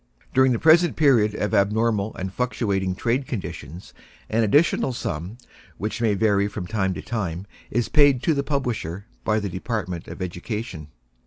During the present period of abnormal and fluctuating trade conditions, an additional sum, which may vary from time to time, is paid to the Publisher by the Department of Education.